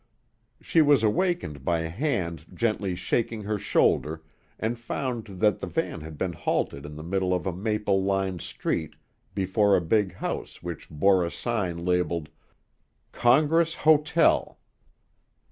She was awakened by a hand gently shaking her shoulder and found that the van had been halted in the middle of a maple lined street before a big house which bore a sign labeled: "Congress Hotel."